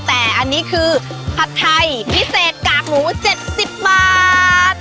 แต่อันนี้คือผัดไทยพิเศษกากหมู๗๐บาท